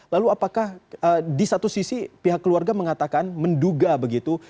lalu apakah di satu sisi pihak keluarga mengatakan menduga begitu